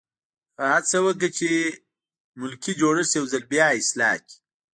هغه هڅه وکړه چې ملکي جوړښت یو ځل بیا اصلاح کړي.